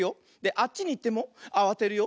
あっちにいってもあわてるよ。